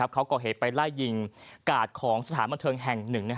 เขาก่อเหตุไปไล่ยิงกาดของสถานบันเทิงแห่งหนึ่ง